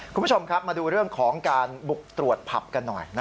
คุณผู้ชมครับมาดูเรื่องของการบุกตรวจผับกันหน่อย